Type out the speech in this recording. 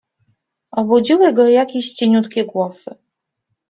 Obudziły go jakieś cieniutkie głosy.